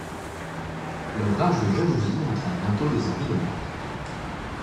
Leur rage de jalousie entraine bientôt des envies de meurtre.